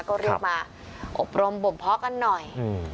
ก็เรียกมาอบรมบ่มเพาะกันหน่อย